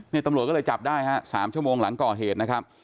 นี่ตำรวจก็เลยจับได้ฮะ๓ชั่วโมงหลังก่อเหตุนะครับ